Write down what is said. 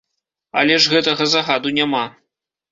Але ж гэтага загаду няма!